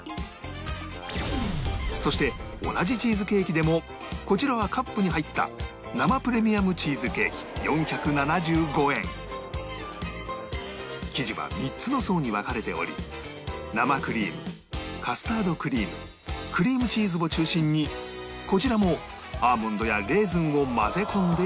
そして同じチーズケーキでもこちらはカップに入った生地は３つの層に分かれており生クリームカスタードクリームクリームチーズを中心にこちらもアーモンドやレーズンを混ぜ込んでいます